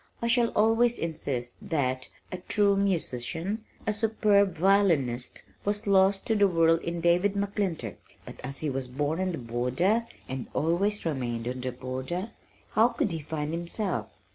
I shall always insist that a true musician, a superb violinist was lost to the world in David McClintock but as he was born on the border and always remained on the border, how could he find himself?